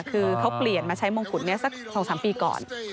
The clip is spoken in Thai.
คือเขาเปลี่ยนมาใช้มงกุฎนี้สัก๒๓ปีก่อน